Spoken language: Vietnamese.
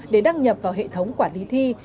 để đăng nhập vào hệ thống quản lý thi